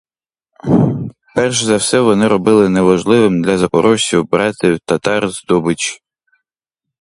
Перш за все вони робили неможливим для запорожців брати в татар здобич.